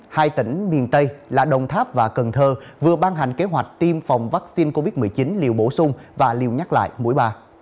hai tỉnh miền tây là đồng tháp và cần thơ vừa ban hành kế hoạch tiêm phòng vaccine covid một mươi chín liều bổ sung và liều nhắc lại mũi ba